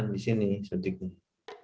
di sini disuntiknya